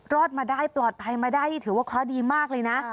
รอดมาได้ปลอดภัยมาได้นี่ถือว่าเคราะห์ดีมากเลยนะ